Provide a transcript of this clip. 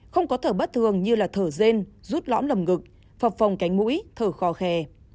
không có thở bất thường như là thở rên rút lõm lầm ngực phập phòng cánh mũi thở khò khè